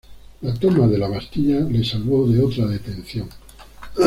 La toma de la Bastilla le salvó de otra detención.